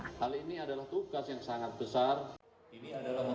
hal ini adalah tugas yang sangat besar